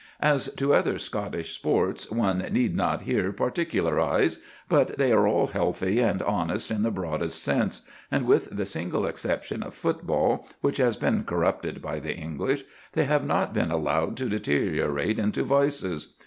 As to other Scottish sports, one need not here particularise; but they are all healthy and honest in the broadest sense, and with the single exception of football, which has been corrupted by the English, they have not been allowed to deteriorate into vices.